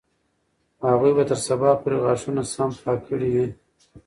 هغوی به تر سبا پورې غاښونه سم پاک کړي وي.